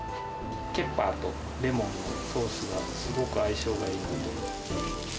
ケッパーとレモンのソースがすごく相性がいいのと。